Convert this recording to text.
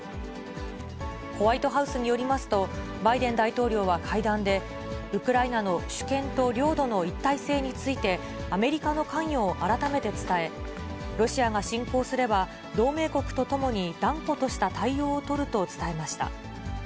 ホワイトハウスによりますと、バイデン大統領は会談で、ウクライナの主権と領土の一体性について、アメリカの関与を改めて伝え、ロシアが侵攻すれば、同盟国とともに断固とした対応を取ると伝えました。